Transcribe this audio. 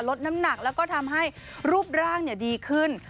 ลดน้ำหนักแล้วก็ทำให้รูปร่างดีขึ้น